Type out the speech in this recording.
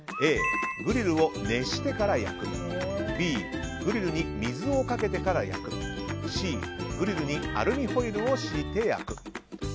Ａ、グリルを熱してから焼くＢ、グリルに水をかけてから焼くＣ、グリルにアルミホイルを敷いて焼く。